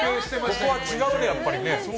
ここは違うね、やっぱり。